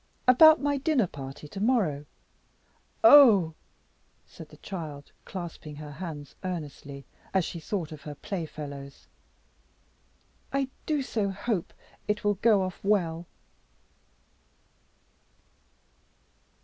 "About my dinner party to morrow. Oh," said the child, clasping her hands earnestly as she thought of her playfellows, "I do so hope it will go off well!"